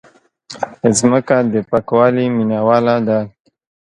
مځکه د پاکوالي مینواله ده.